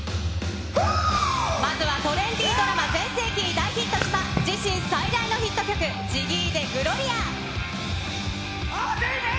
まずはトレンディードラマ全盛期に大ヒットした自身最大のヒット曲、ＺＩＧＧＹでＧＬＯＲＩＡ。